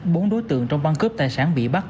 bốn đối tượng trong băng cướp tài sản bị bắt